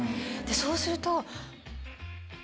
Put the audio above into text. そうすると。